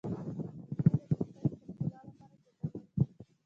مالټې د پوستکي د ښکلا لپاره ګټورې دي.